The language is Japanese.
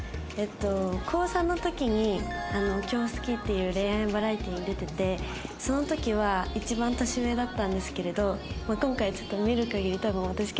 高３の時に『今日好き』っていう恋愛バラエティに出ててその時は一番年上だったんですけれど今回見る限り多分私結構年下の方だと思うので。